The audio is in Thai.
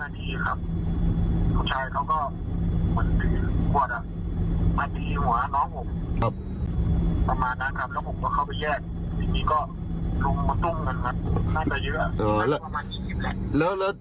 ทีนี้ก็ทุ่มตุ้งกันมาก็เยอะมากมายทีนี้แหละ